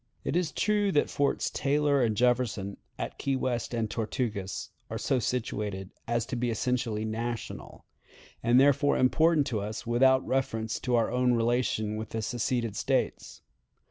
It is true that Forts Taylor and Jefferson, at Key West and Tortugas, are so situated as to be essentially national, and therefore important to us without reference to our relations with the seceded States.